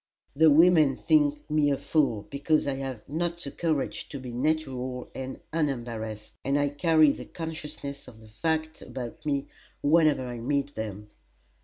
The women think me a fool because I have not the courage to be natural and unembarrassed, and I carry the consciousness of the fact about me whenever I meet them.